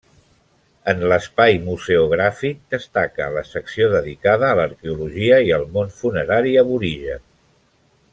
En l'espai museogràfic destaca la secció dedicada a l'arqueologia i al món funerari aborigen.